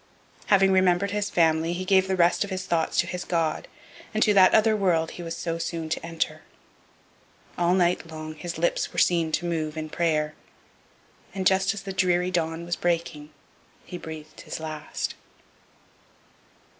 Having remembered his family he gave the rest of his thoughts to his God and to that other world he was so soon to enter. All night long his lips were seen to move in prayer. And, just as the dreary dawn was breaking; he breathed his last.